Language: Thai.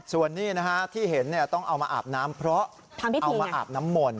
ส่วนนี้ที่เห็นต้องเอามาอาบน้ำเพราะเอามาอาบน้ำมนต